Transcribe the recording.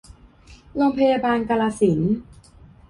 โรงพยาบาลกาฬสินธุ์